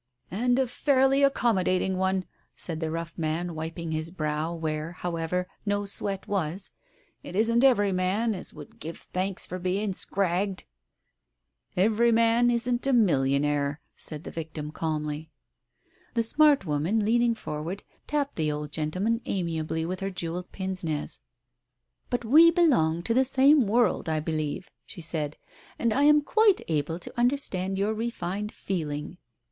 "And a fairly accommodating one! " said the rough man, wiping his brow where, however, no sweat was. "It isn't every man as would give thanks for being scragged !"" Every man isn't a millionaire," said his victim calmly. Digitized by Google 150 TALES OF THE UNEASY The smart woman, leaning forward, tapped the old gentleman amiably with her jewelled pince nez. "But we belong to the same world, I perceive," she said, "and I am quite able to understand your refined feeling.